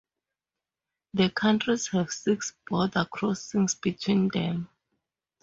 The countries have six border crossings between them.